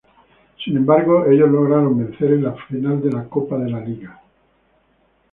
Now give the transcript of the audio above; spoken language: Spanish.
Sin embargo, ellos lograron vencer en la final de la Copa de la Liga.